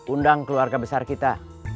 undang keluarga besar kita